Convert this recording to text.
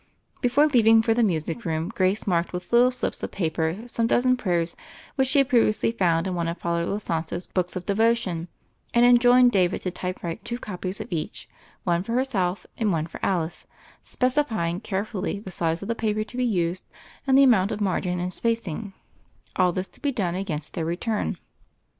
Before leaving for the music room, Grace marked with little slips of paper some dozen prayers which she had previously found in one of Father Lasance's books of devotion, and en joined David to typewrite two copies of each, one for herself and one for Alice, specifying carefully the size of the paper to be used, and the amount of margin and spacing — all this to be done against their return.